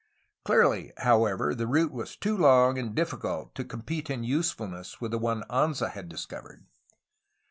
Clearly, however, the route was too long and difficult to compete in usefulness with the one Anza had discovered.